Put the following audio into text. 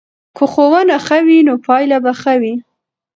که ښوونه ښه وي نو پایله به ښه وي.